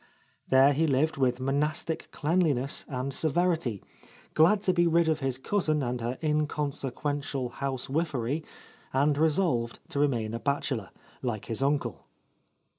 There he lived with monastic cleanliness and severity, glad to be rid of his cousin and her inconsequential housewifery, and resolved to remain a bachelor, like his uncle.